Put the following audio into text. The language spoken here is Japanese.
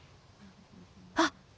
あっ！